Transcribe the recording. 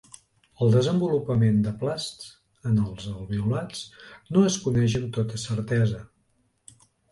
El desenvolupament de plasts en els alveolats no es coneix amb tota certesa.